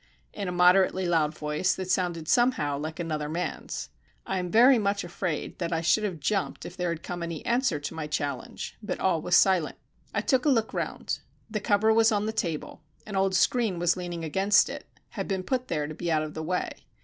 in a moderately loud voice that sounded somehow like another man's. I am very much afraid that I should have jumped if there had come any answer to my challenge, but all was silent. I took a look round. The cover was on the table. An old screen was leaning against it; it had been put there to be out of the way.